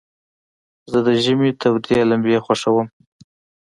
زه د ژمي تودي لمبي خوښوم.